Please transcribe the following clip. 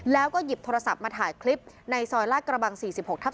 แล้วก็หยิบโทรศัพท์มาถ่ายคลิปในซอยลาดกระบัง๔๖ทับ๑